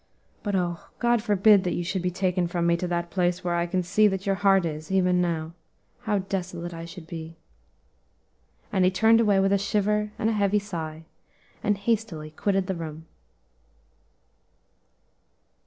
But oh, God forbid that you should be taken from me to that place where I can see that your heart is even now. How desolate should I be!" and he turned away with a shiver and a heavy sigh, and hastily quitted the room.